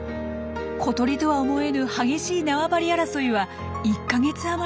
小鳥とは思えぬ激しい縄張り争いは１か月余りも続くんです。